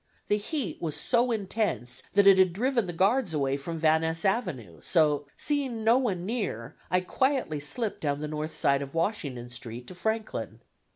The heat was so intense that it had driven the guards away from Van Ness Avenue; so, seeing no one near, I quietly slipped down the north side of Washington Street to Franklin.